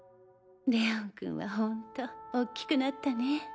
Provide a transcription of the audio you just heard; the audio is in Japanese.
レオンくんはほんとおっきくなったね。